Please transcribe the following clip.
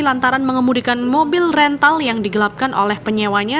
lantaran mengemudikan mobil rental yang digelapkan oleh penyewanya